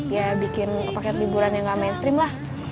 ya bikin paket liburan yang gak mainstream lah